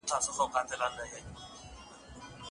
چې څومره د حَسين عشق په کعبه کې سره ناست وو